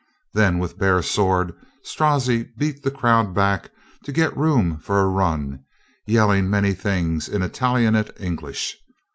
Then, with bare sword, Strozzi beat the crowd back to get room for a run, yelling many things in Ital ianate English.